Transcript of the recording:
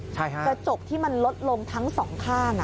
ใช่ค่ะกระจกที่มันลดลงทั้ง๒ข้าง